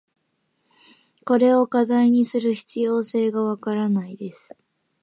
これを課題にする必要性が分からないです。